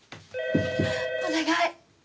お願い！